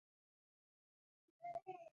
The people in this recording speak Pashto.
پسرلی د افغانستان د صنعت لپاره مواد برابروي.